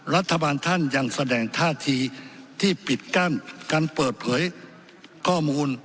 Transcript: รัฐบาลท่านยังแสดงท่าทีที่ปิดกั้นการเปิดเผยข้อมูล